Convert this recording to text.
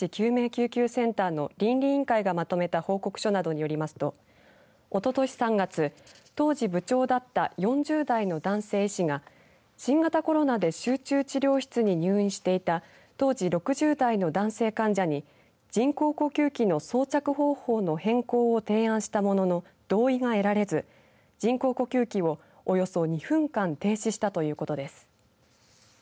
救命センターの倫理委員会がまとめた報告書によりますとおととし３月、当時部長だった４０代の男性医師が新型コロナで集中治療室に入院していた当時６０代の男性患者に人工呼吸器の装着方法の変更を提案したものの同意が得られず人工呼吸器をおよそ２分間停止したということです。